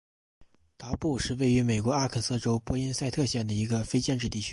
达布是位于美国阿肯色州波因塞特县的一个非建制地区。